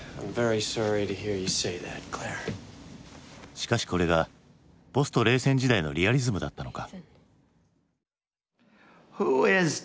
しかしこれがポスト冷戦時代のリアリズムだったのか。